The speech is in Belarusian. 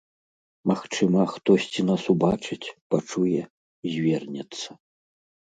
Магчыма, хтосьці нас убачыць, пачуе, звернецца.